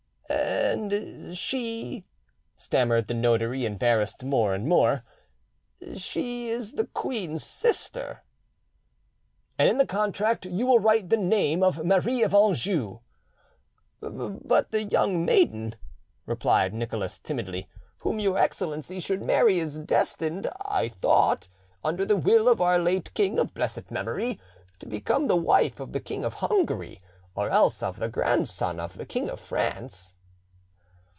"And she," stammered the notary, embarrassed more and more, "—she is the queen's sister." "And in the contract you will write the name of Marie of Anjou." "But the young maiden," replied Nicholas timidly, "whom your Excellency would marry is destined, I thought, under the will of our late king of blessed memory, to become the wife of the King of Hungary or else of the grandson of the King of France."